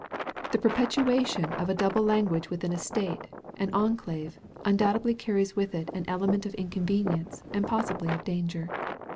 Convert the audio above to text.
The perpetuation of a double language within a state, an enclave, undoubtedly carries with it an element of inconvenience and possibly of danger.